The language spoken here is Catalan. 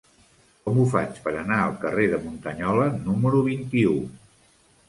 Com ho faig per anar al carrer de Muntanyola número vint-i-u?